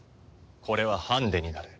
これはハンデになる。